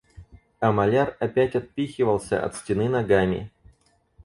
А маляр опять отпихивался от стены ногами.